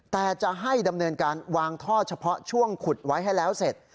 แต่จะให้ดำเนินการวางท่อเฉพาะช่วงขุดไว้ให้แล้วเสร็จ